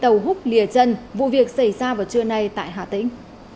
tàu hút lìa chân vụ việc xảy ra vào trưa nay tại hà tĩnh